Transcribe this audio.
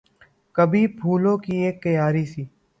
کبھی پھولوں کی اک کیاری سی